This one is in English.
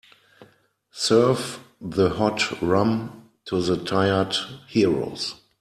Serve the hot rum to the tired heroes.